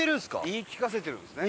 言い聞かせてるんですね。